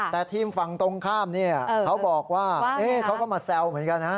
แต่ทีมฝั่งตรงข้ามเนี่ยเขาบอกว่าเขาก็มาแซวเหมือนกันนะ